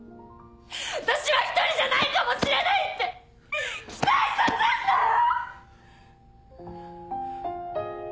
私は一人じゃないかもしれないって期待させんなよ‼